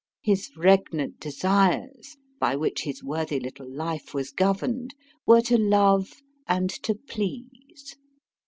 His regnant desires, by which his worthy little life was governed, were to love and to please.